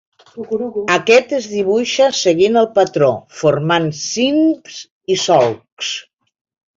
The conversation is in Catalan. Aquest es dibuixa seguint el patró, formant cims i solcs.